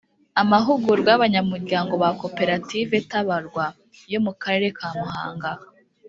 Amahugurwa y Abanyamuryango ba Koperative Tabarwa yo mu Karere ka Muhanga